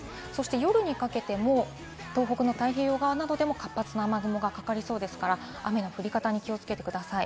夜にかけても、東北の太平洋側などでも活発な雨雲がかかりそうですから、雨の降り方に気をつけてください。